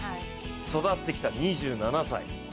育ってきた２７歳。